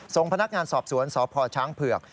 ทรงพนักงานสอบสวนสชเผือก